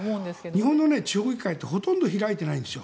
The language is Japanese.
日本の地方議会ってほとんど開いてないんです。